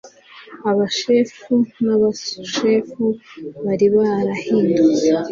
abashefu n'abasushefu bari barahindutse